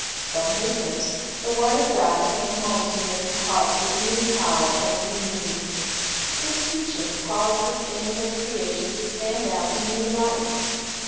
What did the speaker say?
From His lips the word of God came home to "God men's hearts with new power and new meaning. His teaching caused the things of creation to stand out in new light.